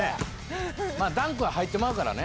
ダンクは入ってまうからね。